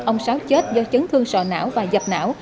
ông sáo chết do chấn thương sọ não và dập não